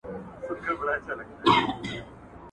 تاسې په خپل کار کي نوښت راولئ.